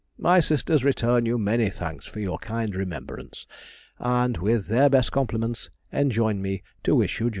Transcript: My sisters return you many thanks for your kind remembrance, and, with their best compliments, enjoin me to wish you joy.